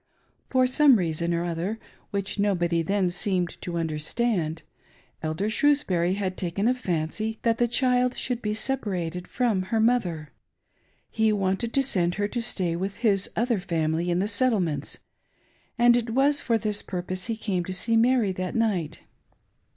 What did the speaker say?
For some reason or other, which nobody then seemed to understand. Elder Shrewsbury had taken a fancy that the child should be sepa rated from her mother ;. he wanted to send her to stay witli his other family in the Settlements, and it was for this pur pose he came to see Mary that night.